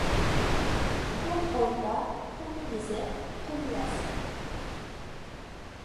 قۇم ئوردا، قۇم يېزىق، قۇم رەسىم.